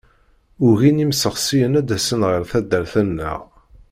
Ugin yimsexsiyen ad d-asen ɣer taddart-nneɣ.